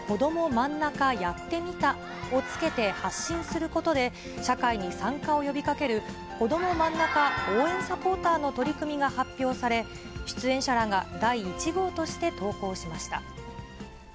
まんなかやってみたをつけて発信することで、社会に参加を呼びかける、こどもまんなか応援サポーターの取り組みが発表され、出演者らが第１号として投稿しました。